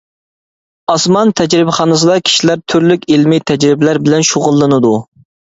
ئاسمان تەجرىبىخانىسىدا كىشىلەر تۈرلۈك ئىلمىي تەجرىبىلەر بىلەن شۇغۇللىنىدۇ.